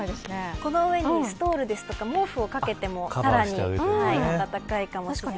この上にストールですとか毛布を掛けてもさらに暖かいかもしれません。